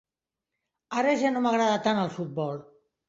Ara ja no m'agrada tant el futbol.